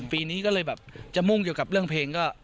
ปีนี้ก็เลยแบบจะมุ่งเกี่ยวกับเรื่องเพลงก็